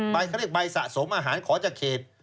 เขาเรียกใบสะสมอาหารขอจากเขต